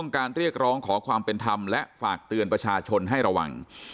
การเรียกร้องขอความเป็นธรรมและฝากเตือนประชาชนให้ระวัง